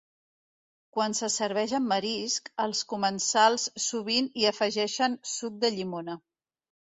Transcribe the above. Quan se serveix amb marisc, els comensals sovint hi afegeixen suc de llimona.